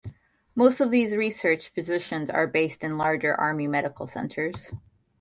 Most of these research Physicians are based in larger Army Medical Centers.